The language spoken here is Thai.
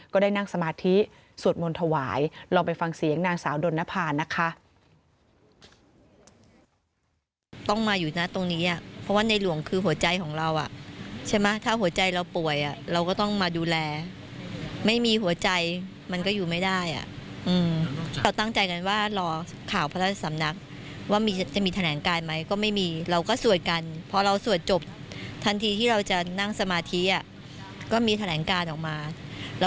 ก็ได้นั่งสมาธิสวดมนต์ถวายลองไปฟังเสียงนางสาวดนภานะคะ